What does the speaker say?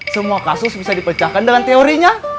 semua kasus bisa dipecahkan dengan teorinya